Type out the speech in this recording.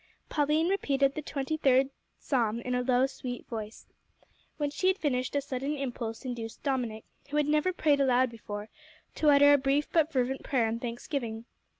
Pauline repeated the twenty third Psalm in a low, sweet voice. When she had finished, a sudden impulse induced Dominick, who had never prayed aloud before, to utter a brief but fervent prayer and thanksgiving.